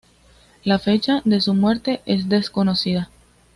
La fecha de su muerte es desconocida.